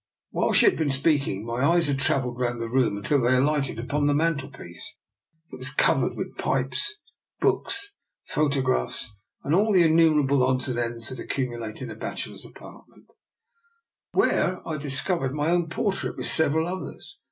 While she had been speaking, my eyes had trav elled round the room until they alighted upon the mantelpiece (it was covered with pipes, books, photographs, and all the innumerable odds and ends that accumulate in a bachelor's apartment), where I discovered my own por trait with several others.